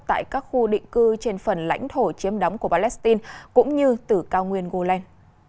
tại các khu định cư trên phần lãnh thổ chiếm đóng của palestine cũng như từ cao nguyên gulen